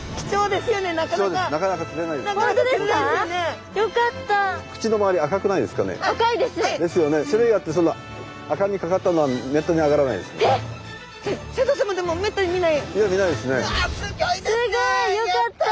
すごい！やった！よかった！